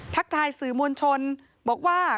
ทักทายสื่อมวลชนบอกว่า